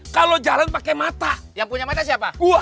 kalau jalan pakai mata yang punya mata siapa